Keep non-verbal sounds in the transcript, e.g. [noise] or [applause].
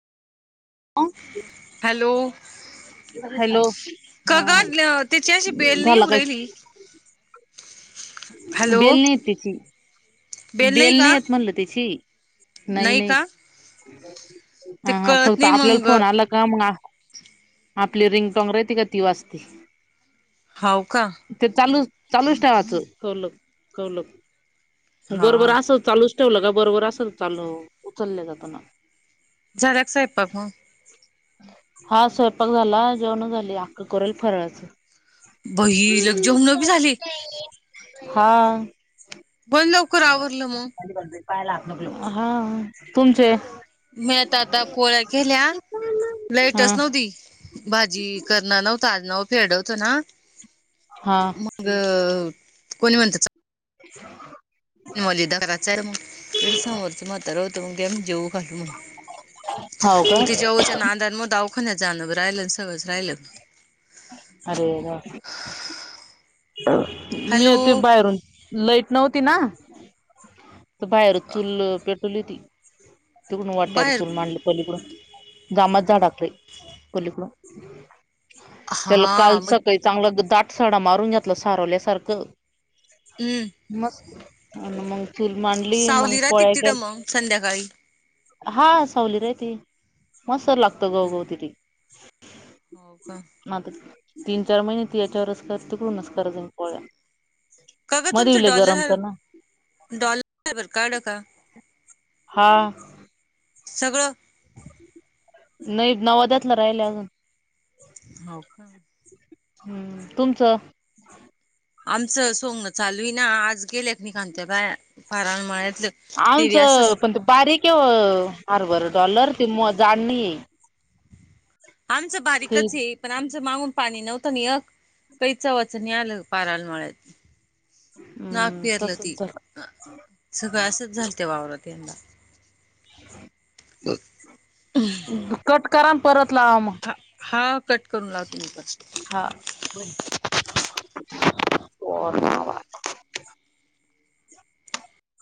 Hello. Hello हा काग ल त्याची अशी बेल नही झाला होवु काय रायली. बेल नही तेची. बेल नाही येत म्हणलं त्याची, नाही नाही. ते हा हा कळत फक्त नाही आपल्याला मंग फोन आला का मग आ, आपली रिंगटोंग रहती का ती वाजती. हाव का. ते चालूच चालूच ठेवाच कवलक कवलक. बर बर हा असलं चालूच ठेवलं का बरोबर असल चालू उचलल्या जात ना. झाला का सयपाक म हा स्वयंपाक झाला जेवणं झाली अक्का करू रायली फराळाचं. बही लग जेवण बी झाले. हा. पण लवकर आवरलं मग हा तुमचे मी आता आता पोळ्या केल्या, लाईटच हा नव्हती भाजी करणार नव्ह ताज नव फेडवचं ना. हा. मग कोणी म्हणतासा [unintelligible] दिवाळी दाराची हाय मग हित समोरच म्हातारं होत मग जेऊ घालू म्हणलं हाव का मग तिच्या ओच्या नाद म दवाखान्यात जाणं बी राहिलं सगळंच राहिलं. अरे. राम [inaudible] मी हॅलो येते बाहेरून लईट नव्हती ना. तर बाहेरच चूल पेटवली ती तिकडून वाट्यावर बाहेर चूल मांडली पलीकडून जांभळाच्या झाडाखाली पलीकडून त्याला काल हा मग सकाळी चांगलं दाट साडा मारून घातला सारवल्या सारखं हम मग. मग चूल मांडली मग सावली राहते का पोळ्या तिथं मग संध्याकाळी केल्या हा सवली राहिती मस्त लागत हो गव का गावतली. हो का. हा तर तीन चार महिने ती याच्यावरच जास्त करून आस करत जाईन पोळ्या. वारी लय गरमत ना. डॉल [inaudible] काढलं का हा. सगळं. नाही नवाद्यातलं राहिलय अजून. हाव का. हम. तुमचं? आमचं सोंगण चालू आहे ना आज गेल्यात मी घालते बाया. [inaudible] माळ्यातलं ते बी आमचं आसच पण ती परीक हरभर डॉलर ती मोजाणी आमचं ते बारीकच हे पण आमचं मागून पाणी नव्हतं न येत ताइच वाचूनी नाय आलं पाराळ्या मळ्यात नाग हम्म पिरलं ती तसच झालं हा सगळं असच झालत त्या वावरात यंदा. [inaudible] [inaudible] कट करा आणि परत लावा मग हा हा कट करून लावते मी परत हा [unintelligible]